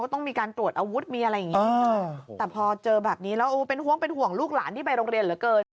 แต่พอเจอแบบนี้แล้วเป็นห่วงลูกหลานที่ไปโรงเรียนเหลือเกิน